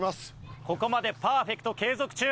ここまでパーフェクト継続中。